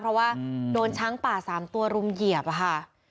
เพราะว่าโดนช้างป่า๓ตัวรุมเหยียบค่ะ